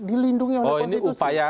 dilindungi oleh konstitusi